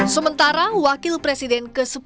sementara wakil presiden ke sepuluh